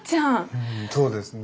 うんそうですね。